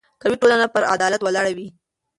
قوي ټولنه پر عدالت ولاړه وي